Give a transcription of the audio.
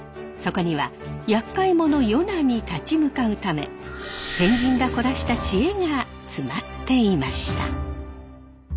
そこにはやっかい者ヨナに立ち向かうため先人が凝らした知恵が詰まっていました。